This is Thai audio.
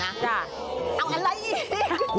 เอาอะไรอีก